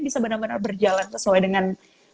bisa benar benar berjalan sesuai dengan